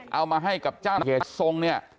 เอามาให้กับเจ้าเกรดทรงเนี่ย